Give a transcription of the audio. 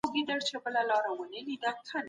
مطالعه له ډوډۍ خوړلو هم مهمه ده.